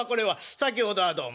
先ほどはどうも。